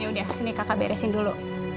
ya udah sini kakak beresin dulu